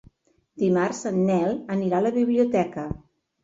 Dimarts en Nel anirà a la biblioteca.